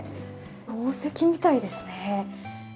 宝石みたいですね。